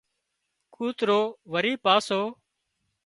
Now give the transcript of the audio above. ڪوترو وري پاسو